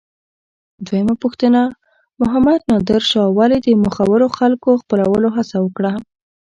دویمه پوښتنه: محمد نادر شاه ولې د مخورو خلکو خپلولو هڅه وکړه؟